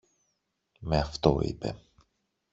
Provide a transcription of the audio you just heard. Με αυτό, είπε.